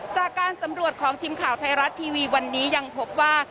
จากการสำรวจของทีมข่าวไทยรัฐทีวีวันนี้ยังพบว่า